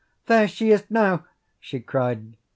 "There she is now!" she cried.